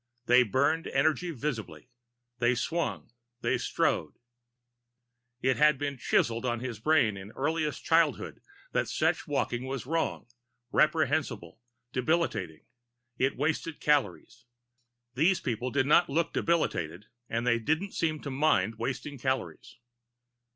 They burned energy visibly. They swung. They strode. It had been chiseled on his brain in earliest childhood that such walking was wrong, reprehensible, debilitating. It wasted calories. These people did not look debilitated and they didn't seem to mind wasting calories.